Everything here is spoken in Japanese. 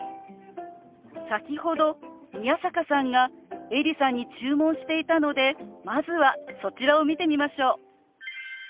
先ほど宮坂さんがエリさんに注文していたのでまずはそちらを見てみましょう。